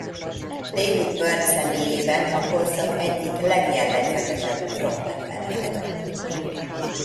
David Byrne személyében a korszak egyik legjellegzetesebb frontembere volt.